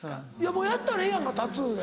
もうやったらええやんかタトゥーで。